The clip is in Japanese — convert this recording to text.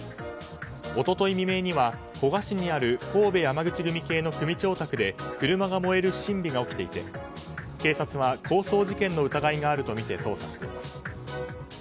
一昨日未明には古賀市にある神戸山口組系の組長宅で車が燃える不審火が起きていて警察は抗争事件の疑いがあるとみて捜査しています。